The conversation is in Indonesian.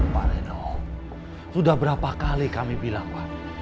pak leno sudah berapa kali kami bilang pak